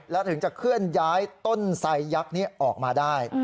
แล้วถึงจะเคลื่อนย้ายต้นไซยักษ์นี้ออกมาได้